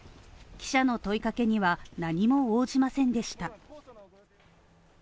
記者の問いかけには何も応じませんでした